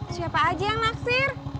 siapa aja yang naksir